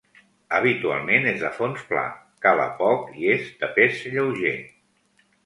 Habitualment és de fons pla, cala poc i és de pes lleuger.